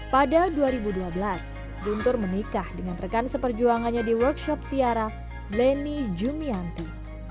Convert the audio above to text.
pada dua ribu dua belas guntur menikah dengan rekan seperjuangannya di workshop tiara leni jumianti